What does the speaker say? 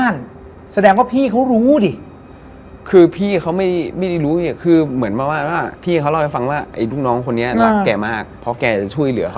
นั่นคือประสบการณ์ไว่เด็ก